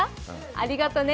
ありがとね。